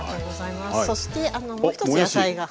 そしてあのもう一つ野菜が。